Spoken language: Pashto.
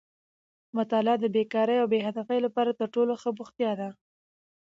مطالعه د بېکارۍ او بې هدفۍ لپاره تر ټولو ښه بوختیا ده.